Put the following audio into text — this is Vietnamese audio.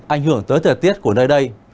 ảnh hưởng tới thời tiết của nơi đây